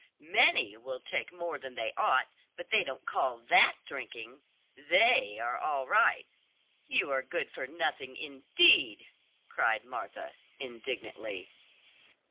"Many will take more than they ought, but they don't call that drinking! They are all right, you are good for nothing indeed!" cried Martha indignantly.